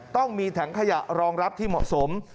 ต้องมีถังขยะรองรับที่เหมาะสม